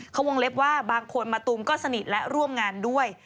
เขาวงเล็บว่าบางคนมะตูมก็สนิทและร่วมงานด้วย